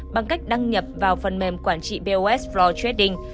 bằng cách đăng nhập vào phần mềm quản trị bos pro trading